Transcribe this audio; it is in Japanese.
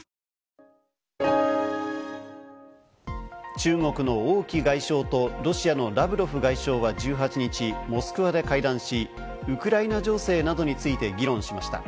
中国のオウ・キ外相とロシアのラブロフ外相は１８日、モスクワで会談し、ウクライナ情勢などについて議論しました。